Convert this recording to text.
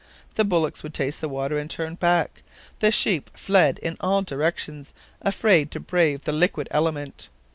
The bullocks would taste the water and turn back. The sheep fled in all directions, afraid to brave the liquid element.